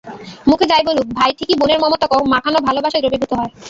মুখে যাই বলুক, ভাই ঠিকই বোনের মমতা মাখানো ভালোবাসায় দ্রবীভূত হয়।